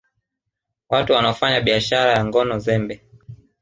Watu wanaofanya biashara ya ngono zembe